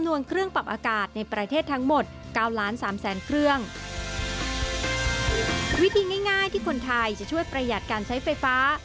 วิธีง่ายง่ายที่คนไทยจะช่วยประหยัดการใช้ไฟฟ้า